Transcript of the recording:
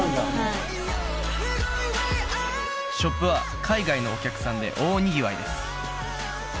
いショップは海外のお客さんで大にぎわいです